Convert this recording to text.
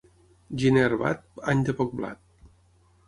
Gener herbat, any de poc blat.